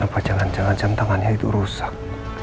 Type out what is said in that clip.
apa jangan jangan jam tangannya itu rusak